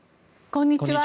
こんにちは。